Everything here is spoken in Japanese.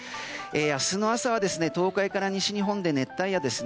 明日の朝は、東海から西日本で熱帯夜です。